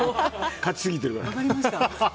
勝ちすぎてるから。